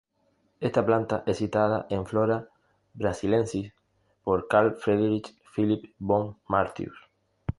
Esta planta es citada en Flora Brasiliensis por Carl Friedrich Philipp von Martius.